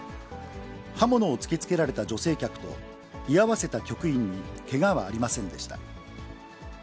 刃物を突きつけられた女性客と、居合わせた局員にけがはありませんでした。